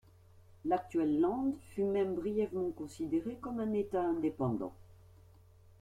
L'actuel Land fut même brièvement considéré comme un État indépendant.